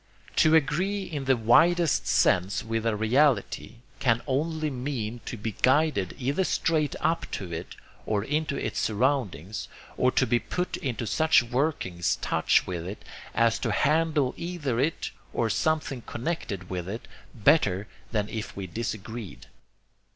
To 'agree' in the widest sense with a reality, CAN ONLY MEAN TO BE GUIDED EITHER STRAIGHT UP TO IT OR INTO ITS SURROUNDINGS, OR TO BE PUT INTO SUCH WORKING TOUCH WITH IT AS TO HANDLE EITHER IT OR SOMETHING CONNECTED WITH IT BETTER THAN IF WE DISAGREED.